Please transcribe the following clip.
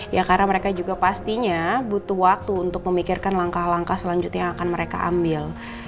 ya karena mereka juga pastinya butuh waktu untuk memikirkan langkah langkah selanjutnya yang akan mereka ambil